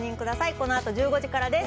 このあと１５時からです。